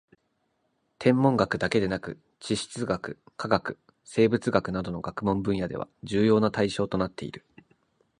天文学だけでなく地質学・化学・生物学などの学問分野では重要な対象となっている